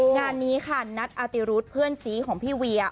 งานนี้ค่ะนัทอาติรุธเพื่อนซีของพี่เวีย